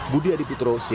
budi adiputro cnn indonesia